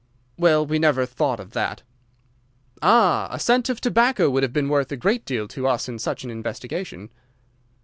"Well, we never thought of that." "Ah, a scent of tobacco would have been worth a great deal to us in such an investigation."